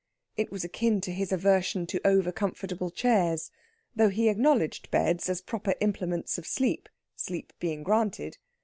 It was akin to his aversion to over comfortable chairs; though he acknowledged beds as proper implements of sleep, sleep being granted.